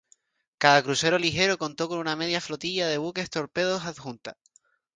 Cada crucero ligero contó con una media flotilla de buques torpederos adjunta.